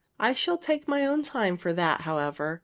I shall take my own time for that, however.